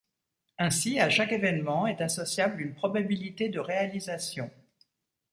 Ainsi, à chaque événement est associable une probabilité de réalisation.